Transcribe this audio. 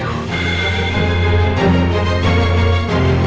aku akan kasih tahu semuanya kenaya